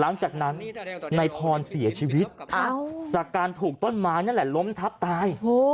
หลังจากนั้นนายพรเสียชีวิตจากการถูกต้นไม้นั่นแหละล้มทับตาย